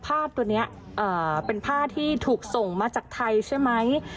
ผ้าตัวนี้เป็นผ้าที่ถูกส่งมาจากไทยใช่ไหม